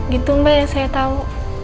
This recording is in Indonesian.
gitu mbak yang saya tahu